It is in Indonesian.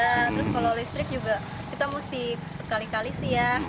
terus kalau listrik juga kita mesti berkali kali sih ya